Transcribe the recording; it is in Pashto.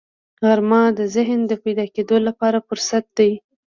غرمه د ذهن د پاکېدو لپاره فرصت دی